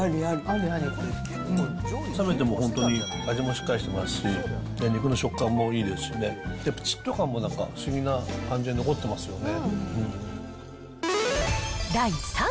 冷めても本当に味もしっかりしてますし、肉の食感もいいですしね、ぷちっと感とかも不思議な感じで残ってますよね。